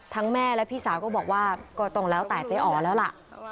แม่และพี่สาวก็บอกว่าก็ต้องแล้วแต่เจ๊อ๋อแล้วล่ะ